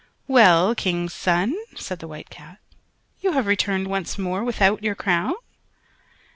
"Well! King's son!" said the White Cat, "you have returned once more without your crown?"